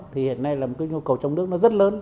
thì hiện nay là một cái nhu cầu trong nước nó rất lớn